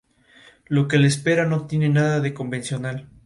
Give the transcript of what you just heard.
Es miembro del Consejo Asturiano del Movimiento Europeo.